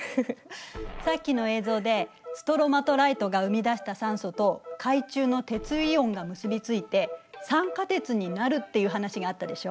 さっきの映像でストロマトライトが生み出した酸素と海中の鉄イオンが結び付いて酸化鉄になるっていう話があったでしょ。